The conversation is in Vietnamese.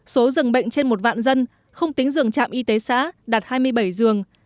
số dừng bệnh trên một vạn dân không tính dường trạm y tế xã đạt hai mươi bảy dường